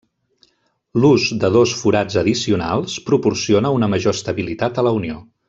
L'ús de dos forats addicionals proporciona una major estabilitat a la unió.